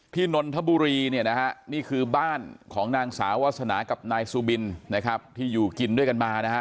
นนทบุรีเนี่ยนะฮะนี่คือบ้านของนางสาววาสนากับนายสุบินนะครับที่อยู่กินด้วยกันมานะฮะ